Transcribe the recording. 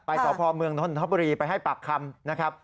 ไปสอพอเมืองนทบุรีไปให้ปากคำ